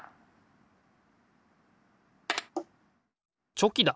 チョキだ！